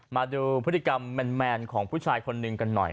มาดูพฤติกรรมแมนของผู้ชายคนหนึ่งกันหน่อย